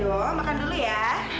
edo makan dulu ya